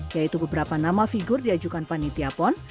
yaitu beberapa nama figur diajukan panitia pon